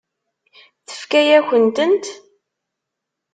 Tefka-yakent-tent?